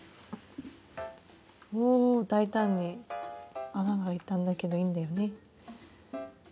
おぉ大胆に穴が開いたんだけどいいんだよね。